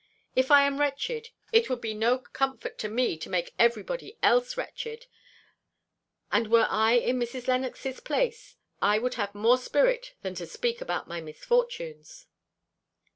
If I am wretched, it would be no comfort to me to make everybody else wretched; and were I in Mrs. Lennox's place, I would have more spirit than to speak about my misfortunes."